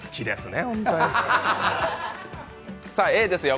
さあ、Ａですよ。